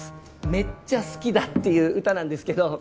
『めっちゃ、好きだ』っていう歌なんですけど。